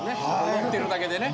乗ってるだけでね。